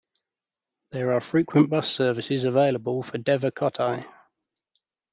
There are frequent bus services are available for Devakottai.